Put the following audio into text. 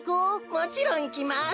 もちろんいきます。